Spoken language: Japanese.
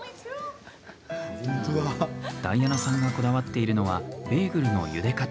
ダイアナさんがこだわっているのはベーグルのゆで方。